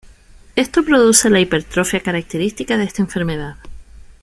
Esto produce la hipertrofia característica de esta enfermedad.